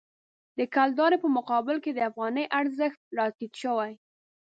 د کلدارې په مقابل کې د افغانۍ ارزښت راټیټ شوی.